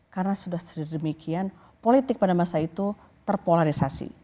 karena sudah sedemikian politik pada masa itu terpolarisasi